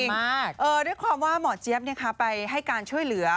๖แบบที่จริงหว่าหมอเจี๊ยบเนี่ยค่ะไปให้การช่วยเหลือ